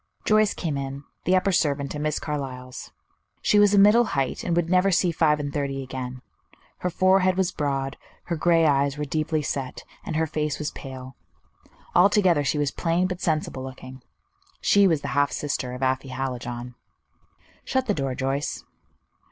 Joyce came in the upper servant at Miss Carlyle's. She was of middle height, and would never see five and thirty again; her forehead was broad, her gray eyes were deeply set, and her face was pale. Altogether she was plain, but sensible looking. She was the half sister of Afy Hallijohn. "Shut the door, Joyce."